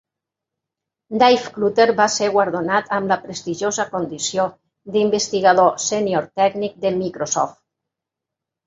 Dave Cutler va ser guardonat amb la prestigiosa condició d'investigador sènior tècnic de Microsoft.